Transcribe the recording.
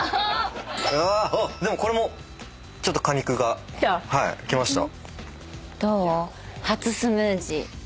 あっでもこれもちょっと果肉がきました。